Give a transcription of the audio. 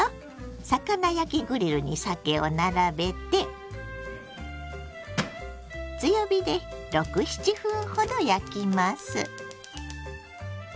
魚焼きグリルにさけを並べて強火で６７分ほど焼きます。